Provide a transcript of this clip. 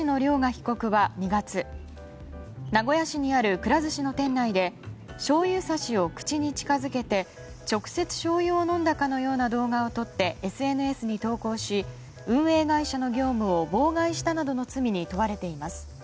被告は２月名古屋市にあるくら寿司の店内でしょうゆさしを口に近づけて直接しょうゆを飲んだかのような動画を撮ってＳＮＳに投稿し運営会社の業務を妨害したなどの罪に問われています。